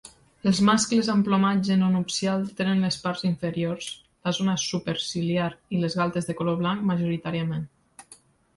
Els mascles amb plomatge no nupcial tenen les parts inferiors, la zona superciliar i les galtes de color blanc majoritàriament.